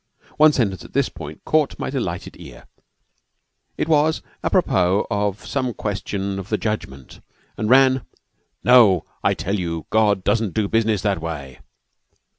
One sentence at this point caught my delighted ear. It was apropos of some question of the Judgment, and ran: "No! I tell you God doesn't do business that way."